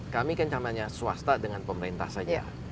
kami kan sama nya swasta dengan pemerintah saja